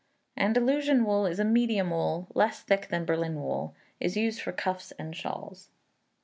Andalusian wool is a medium wool, less thick than Berlin wool, is used for cuffs and shawls.